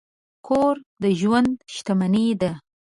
کور د ژوند شتمني ده.